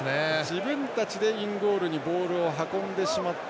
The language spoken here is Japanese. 自分たちでインゴールにボールを運んでしまった。